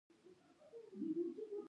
د ننګرهار په کوز کونړ کې څه شی شته؟